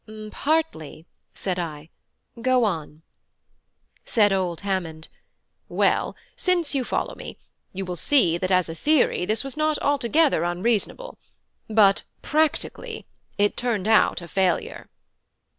"Partly," said I. "Go on." Said old Hammond: "Well, since you follow me, you will see that as a theory this was not altogether unreasonable; but 'practically,' it turned out a failure."